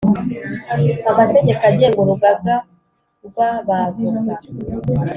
amategeko agenga urugaga rw ‘aba voka